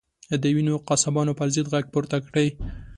د وینو قصابانو پر ضد غږ پورته کړئ.